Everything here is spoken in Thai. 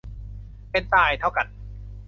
เป็นตายเท่ากัน